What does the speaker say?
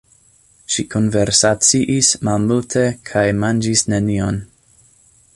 Ŝi konversaciis malmulte kaj manĝis nenion.